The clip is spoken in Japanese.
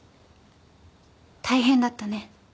大変だったね。